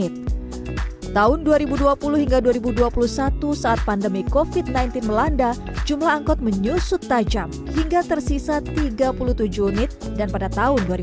tahun dua ribu dua puluh hingga dua ribu dua puluh satu saat pandemi covid sembilan belas melanda jumlah angkot menyusut tajam hingga tersisa tiga puluh tujuh unit dan pada tahun dua ribu dua puluh tiga tersisa dua unit angkot dengan izin trayek angkutan umum